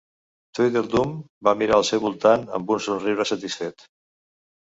Tweedledum va mirar al seu voltant amb un somriure satisfet.